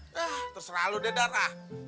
nah terserah lo deh dar ah